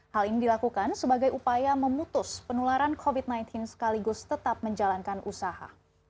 hal ini dilakukan sebagai upaya memutus penularan covid sembilan belas sekaligus tetap menjalankan usaha